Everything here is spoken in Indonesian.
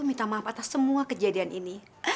minta maaf atas semua kejadian ini